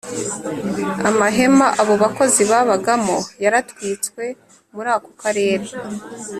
Amahema abo bakozi babagamo yaratwitswe Muri ako karere